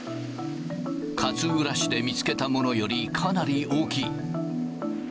勝浦市で見つけたものよりかなり大きい。